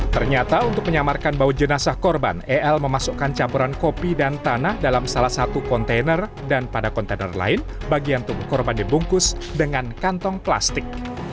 ternyata untuk menyamarkan bau jenazah korban el memasukkan campuran kopi dan tanah dalam salah satu kontainer dan pada kontainer lain bagian tubuh korban dibungkus dengan kantong plastik